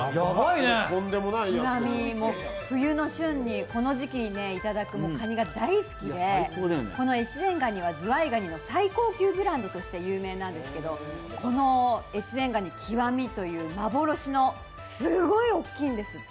冬の旬にこの時期にいただくかにが大好きで、この越前がにはズワイガニの最高級ブランドとして人気なんですけどこの越前がに極という幻のすごい大きいんですって。